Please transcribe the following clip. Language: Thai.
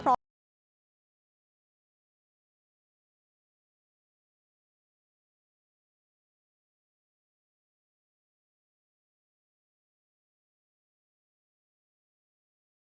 โปรดติดตามตอนต่อไป